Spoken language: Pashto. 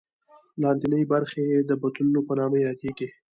لاندینۍ برخې یې د بطنونو په نامه یادېږي.